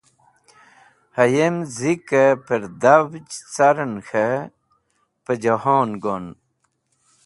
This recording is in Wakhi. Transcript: Hayem zikẽ pẽrdhavj carẽn khẽ pẽjẽhon gon.